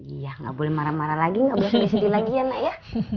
iya gak boleh marah marah lagi gak boleh kebiasa di lagi ya nak ya